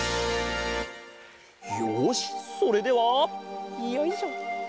よしそれではよいしょ。